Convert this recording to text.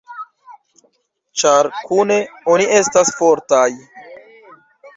Ĉar kune oni estas fortaj.